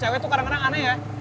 cewek tuh kadang kadang aneh ya